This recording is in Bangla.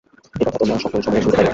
এ-কথা তোমরা সকল সময়েই শুনিতে পাইবে।